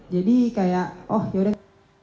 jadi kayak oh yaudah